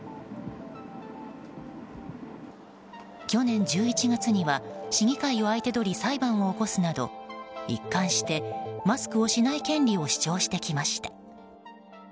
去年１１月には市議会を相手取り裁判を起こすなど一貫してマスクをしない権利を主張してきました。